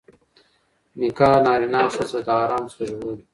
نکاح نارينه او ښځه له حرام څخه ژغوري.